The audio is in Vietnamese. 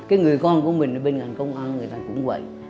cái người con của mình ở bên ngành công an người ta cũng vậy